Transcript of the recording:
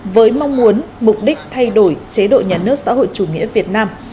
với mong muốn mục đích thay đổi chế độ nhà nước xã hội chủ nghĩa việt nam